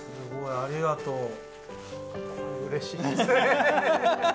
ありがとう尚。